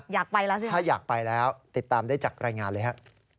อยากไปแล้วสิถ้าอยากไปแล้วติดตามได้จากรายงานเลยฮะ